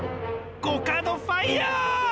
コカドファイア！